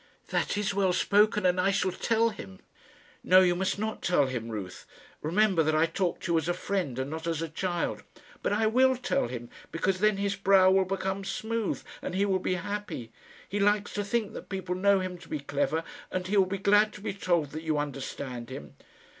"That is well spoken, and I shall tell him." "No, you must not tell him, Ruth. Remember that I talk to you as a friend, and not as a child." "But I will tell him, because then his brow will become smooth, and he will be happy. He likes to think that people know him to be clever; and he will be glad to be told that you understand him."